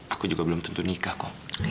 aku juga belum tentu nikah kok